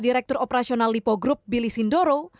direktur operasional lipo group billy sindoro